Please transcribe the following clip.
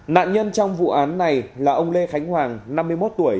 nạn nhân trong vụ án này là ông lê khánh hoàng năm mươi một tuổi